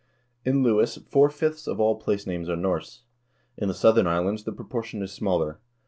In Lewis four fifths of all place names are Norse. In the southern islands the proportion is smaller.